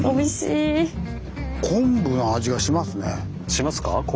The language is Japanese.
しますか？